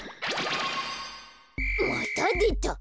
またでた。